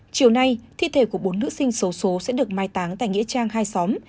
chiều nay thi thể của bốn nữ sinh xấu số sẽ được mai táng tại nghĩa trang hai xóm